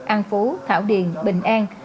an phú thảo điền bình an